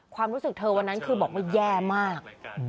ความรู้สึกเธอวันนั้นคือบอกว่าแย่มาก